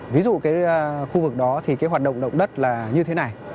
ví dụ cái khu vực đó thì cái hoạt động động đất là như thế này